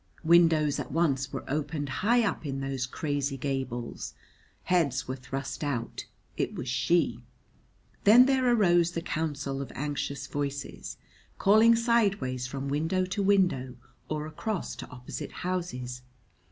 Windows at once were opened high up in those crazy gables; heads were thrust out: it was she. Then there arose the counsel of anxious voices, calling sideways from window to window or across to opposite houses.